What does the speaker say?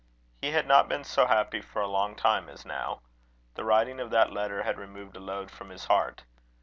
He had not been so happy for a long time as now. The writing of that letter had removed a load from his heart.